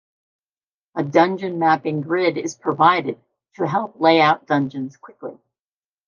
A Dungeon Mapping Grid is provided to help lay out dungeons quickly.